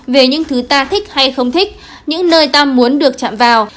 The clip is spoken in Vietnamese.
về những thứ ta thích hay không thích những nơi ta muốn được chạm vào